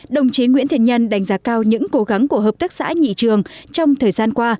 đồng chí nguyễn thiện nhân đánh giá cao những cố gắng của hợp tác xã nhị trường trong thời gian qua